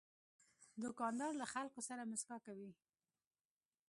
دوکاندار له خلکو سره مسکا کوي.